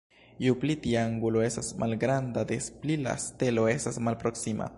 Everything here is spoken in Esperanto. Ju pli tia angulo estas malgranda, des pli la stelo estas malproksima.